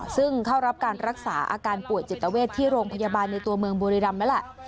ซึ่งเข้ารับการรักษาอาการป่วยจิตเวทที่โรงพยาบาลในตัวเมืองบุรีรำนั่นแหละ